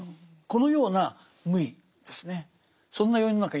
このような無為ですね。